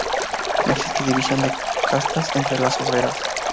No existe división de castas entre las obreras.